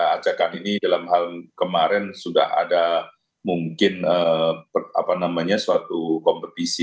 ajakan ini dalam hal kemarin sudah ada mungkin suatu kompetisi